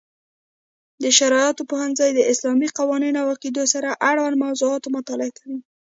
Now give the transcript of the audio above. د شرعیاتو پوهنځی د اسلامي قوانینو او عقیدو سره اړوند موضوعاتو مطالعه کوي.